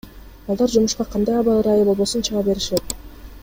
Балдар жумушка кандай аба ырайы болбосун чыга беришет.